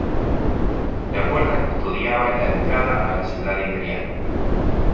La puerta custodiaba la entrada a la Ciudad Imperial.